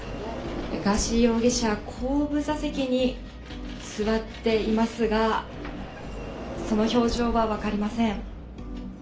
ガーシー容疑者、後部座席に座っていますが、その表情は分かりません。